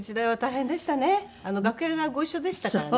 楽屋がご一緒でしたからね。